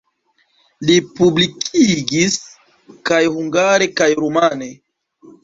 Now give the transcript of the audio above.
Li publikigis kaj hungare kaj rumane.